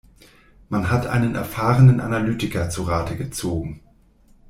Man hat einen erfahrenen Analytiker zu Rate gezogen.